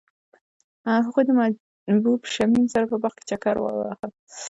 هغوی د محبوب شمیم سره په باغ کې چکر وواهه.